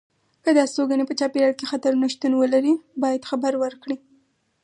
که د استوګنې په چاپېریال کې خطرونه شتون ولري باید خبر ورکړي.